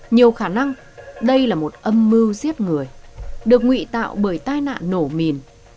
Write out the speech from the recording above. nhiều khả năng đây là một âm mưu giết người được ngụy tạo bởi tai nạn nổ mìn